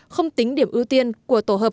không tính điểm ưu tiên của tổ hợp